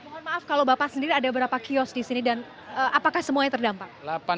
mohon maaf kalau bapak sendiri ada berapa kios di sini dan apakah semuanya terdampak